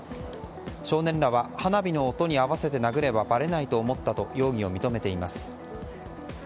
少年らは花火の音に合わせて殴ればばれないと思ったと容疑を認めています。